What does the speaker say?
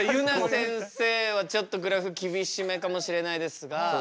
せんせいはちょっとグラフ厳しめかもしれないですが。